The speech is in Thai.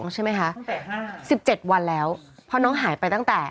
๒๒ใช่ไหมคะสิบเจ็ดวันแล้วพอน้องหายไปตั้งแต่